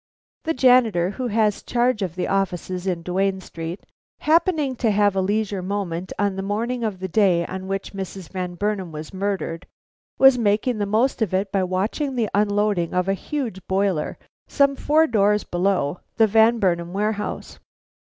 The janitor who has charge of the offices in Duane Street, happening to have a leisure moment on the morning of the day on which Mrs. Van Burnam was murdered, was making the most of it by watching the unloading of a huge boiler some four doors below the Van Burnam warehouse.